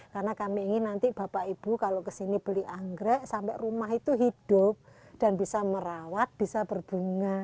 karena kami ingin nanti bapak ibu kalau ke sini beli anggrek sampai rumah itu hidup dan bisa merawat bisa berbunga